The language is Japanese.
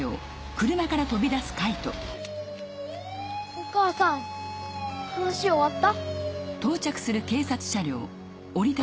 お母さん話終わった？